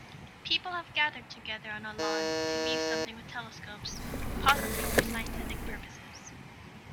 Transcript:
People have gathered together on a lawn to view something with telescopes, possiblly for scientific purposes.